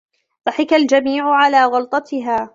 ضحِك الجميع على غلطتها.